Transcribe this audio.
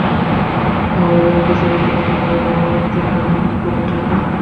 আমাদের দ্বারা কিছু লোক উপকৃত হলে আমরা আনন্দের ঢেউ অনুভব করব, তাই না?